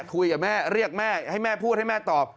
คุยกับแม่เรียกแม่ให้แม่พูดให้แม่ตอบ